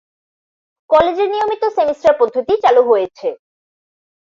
কলেজে নিয়মিত সেমিস্টার পদ্ধতি চালু হয়েছে।